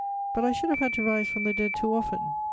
But I should have had to rise from the dead too often.